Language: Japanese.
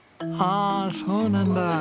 ああそうなんだ。